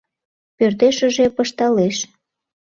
Пӧртешыже пышталеш: